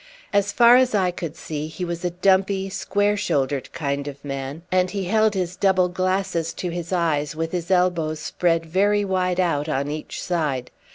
As far as I could see, he was a dumpy square shouldered kind of man, and he held his double glasses to his eyes with his elbows spread very wide out on each side.